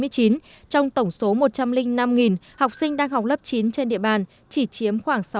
trong tổng số một trăm linh năm học sinh đang học lớp chín trên địa bàn chỉ chiếm khoảng sáu mươi